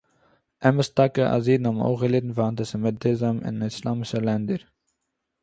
אמת טאַקע אַז אידן האָבן אויך געליטן פון אַנטיסעמיטיזם אין איסלאַמישע לענדער